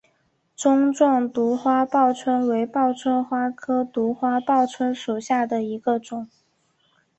钟状独花报春为报春花科独花报春属下的一个种。